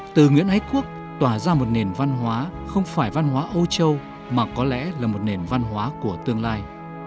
từ nguyễn ái quốc tỏa ra một nền văn hóa không phải văn hóa ô châu mà có lẽ là một nền văn hóa của tương lai